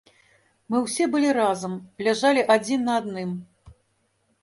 Мы ўсе былі разам, ляжалі адзін на адным.